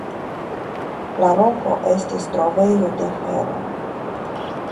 La loko estis trovejo de fero.